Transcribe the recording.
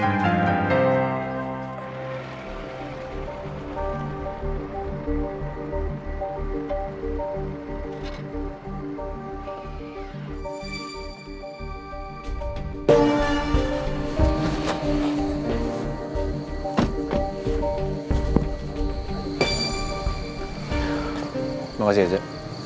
terima kasih eza